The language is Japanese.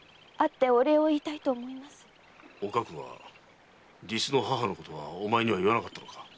おかくは実の母のことはお前には言わなかったのか。